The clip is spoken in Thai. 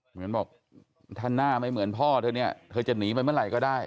เหมือนบอกถ้าหน้าไม่เหมือนพ่อเธอเนี่ยเธอจะหนีไปเมื่อไหร่ก็ได้